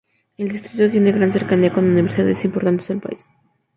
El distrito tiene gran cercanía con universidades importantes del país.